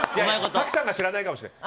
早紀さんが知らないかもしれない。